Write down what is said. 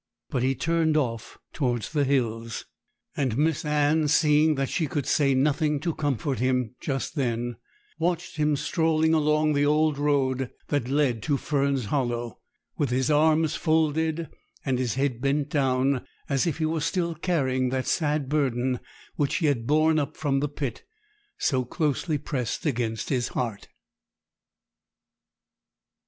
But he turned off towards the hills; and Miss Anne, seeing that she could say nothing to comfort him just then, watched him strolling along the old road that led to Fern's Hollow, with his arms folded and his head bent down, as if he were still carrying that sad burden which he had borne up from the pit, so closely pressed against his heart.